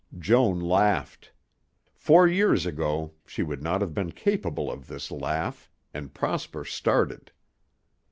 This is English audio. Joan laughed. Four years ago she would not have been capable of this laugh, and Prosper started.